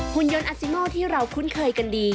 หุ่นยนต์อัสซิโมที่เราคุ้นเคยกันดี